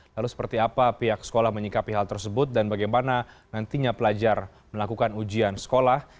lalu seperti apa pihak sekolah menyikapi hal tersebut dan bagaimana nantinya pelajar melakukan ujian sekolah